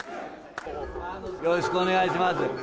よろしくお願いします。